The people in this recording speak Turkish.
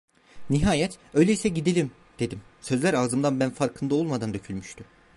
Nihayet: "Öyleyse gideyim!" dedim, sözler ağzımdan ben farkında olmadan dökülmüştü.